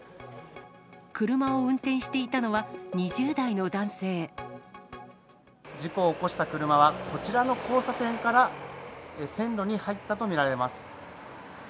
車を運転していたのは２０代事故を起こした車は、こちらの交差点から線路に入ったと見られます。